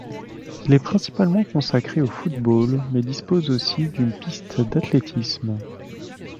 Il est principalement consacré au football mais dispose aussi d'une piste d'athlétisme.